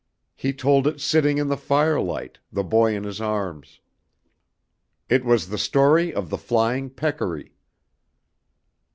He told it sitting in the firelight, the boy in his arms. It was the story of the Flying Peccary.